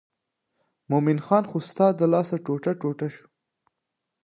مومن خان خو ستا د لاسه ټوټه ټوټه شو.